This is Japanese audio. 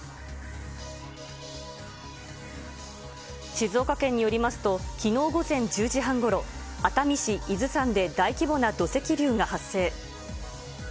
静岡県によりますと、きのう午前１０時半ごろ、熱海市伊豆山で大規模な土石流が発生。